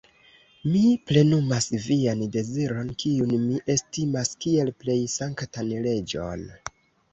Mi plenumas vian deziron, kiun mi estimas, kiel plej sanktan leĝon.